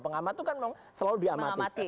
pengamat itu kan memang selalu diamati